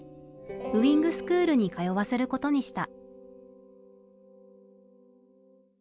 ウイングスクールに通わせることにした。